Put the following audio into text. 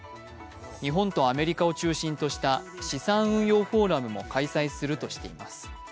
日本とアメリカを中心とした資産運用フォーラムも開催するとしています。